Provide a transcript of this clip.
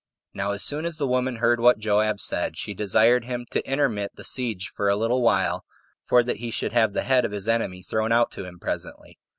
Now as soon as the woman heard what Joab said, she desired him to intermit the siege for a little while, for that he should have the head of his enemy thrown out to him presently.